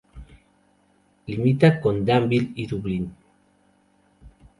Limita con Danville, y Dublin.